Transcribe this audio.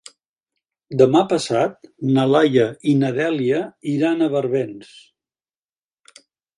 Demà passat na Laia i na Dèlia iran a Barbens.